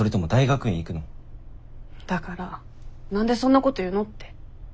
だから何でそんなこと言うのって。